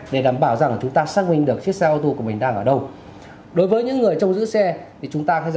để đảm bảo rằng chúng ta xác minh được chiếc xe ô tô của mình đang ở đâu